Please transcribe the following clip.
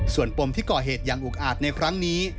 ส่วนปมที่ก่อเหตุอย่างอุกอาจในครั้งนี้